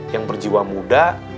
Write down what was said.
yang berjiwa muda